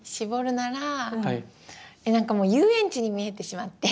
なんかもう遊園地に見えてしまって。